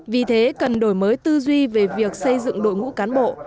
vì thế cần đổi mới tư duy về việc xây dựng đội ngũ cán bộ